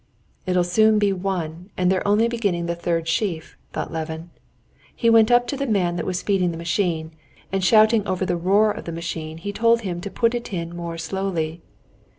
"It'll soon be one, and they're only beginning the third sheaf," thought Levin. He went up to the man that was feeding the machine, and shouting over the roar of the machine he told him to put it in more slowly.